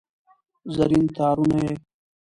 زرین تارونه یې